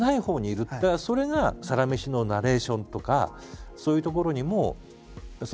それが「サラメシ」のナレーションとかそういうところにも。